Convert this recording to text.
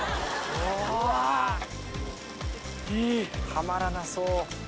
たまらなそう。